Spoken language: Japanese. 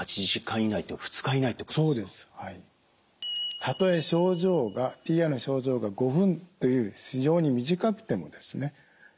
たとえＴＩＡの症状が５分という非常に短くてもですね